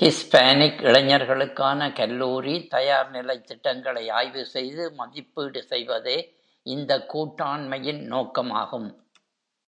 Hispanic இளைஞர்களுக்கான கல்லூரி தயார்நிலை திட்டங்களை ஆய்வு செய்து மதிப்பீடு செய்வதே இந்த கூட்டாண்மையின் நோக்கம் ஆகும்.